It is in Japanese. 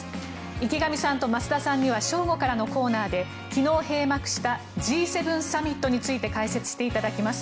池上さんと増田さんには正午からのコーナーで昨日閉幕したＧ７サミットについて解説していただきます。